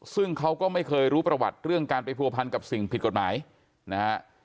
ซึ่งเขาก็ไม่เคยรู้ประวัติเรื่องการไปผัวพันกับสิ่งผิดกฎหมายนะฮะ